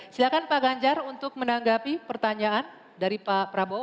silakan pak ganjar untuk menanggapi pertanyaan dari pak prabowo